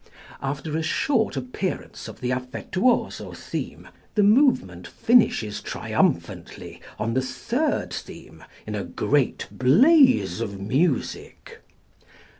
After a short appearance of the affettuoso theme the movement finishes triumphantly on the third theme in a great blaze of music.